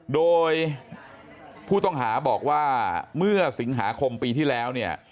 โดยผู้ต้องหาบอกว่าเมื่อสิงหาคมปีที่แล้วเนี่ย